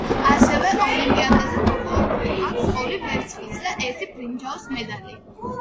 ასევე ოლიმპიადებზე მოპოვებული აქვს ორი ვერცხლისა და ერთი ბრინჯაოს მედალი.